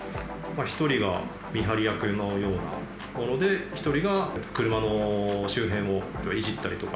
１人が見張り役のようなもので、１人が車の周辺をいじったりとか。